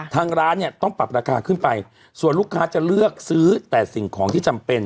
ทางร้านเนี่ยต้องปรับราคาขึ้นไปส่วนลูกค้าจะเลือกซื้อแต่สิ่งของที่จำเป็น